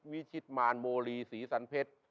วิชิตมารโมลีศรีสันเพชร